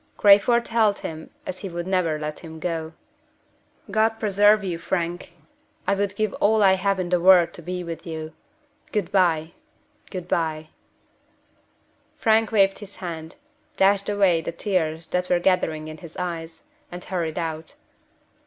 Crayford held him as if he would never let him go. "God preserve you, Frank! I would give all I have in the world to be with you. Good by! Good by!" Frank waved his hand dashed away the tears that were gathering in his eyes and hurried out.